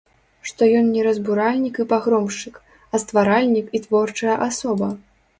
Што ён не разбуральнік і пагромшчык, а стваральнік і творчая асоба.